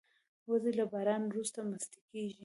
وزې له باران وروسته مستې کېږي